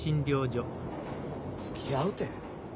つきあうて。